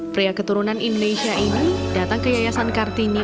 pria keturunan indonesia ini datang ke yayasan kartini